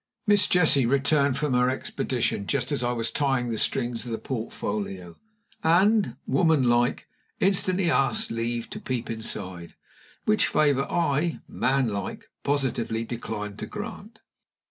Miss Jessie returned from her expedition just as I was tying the strings of the portfolio, and, womanlike, instantly asked leave to peep inside, which favor I, manlike, positively declined to grant.